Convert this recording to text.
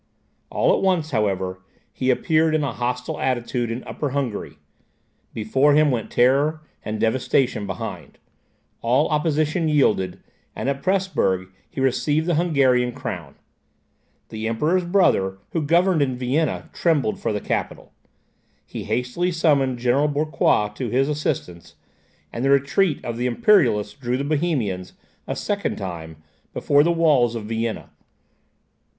All at once, however, he appeared in a hostile attitude in Upper Hungary. Before him went terror, and devastation behind; all opposition yielded, and at Presburg he received the Hungarian crown. The Emperor's brother, who governed in Vienna, trembled for the capital. He hastily summoned General Bucquoi to his assistance, and the retreat of the Imperialists drew the Bohemians, a second time, before the walls of Vienna.